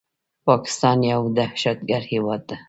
پاکستان يو دهشتګرد هيواد ده